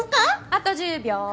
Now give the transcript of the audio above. あと１０秒。